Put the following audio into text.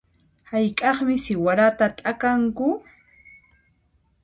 Hayk'aqmi siwarata t'akanku?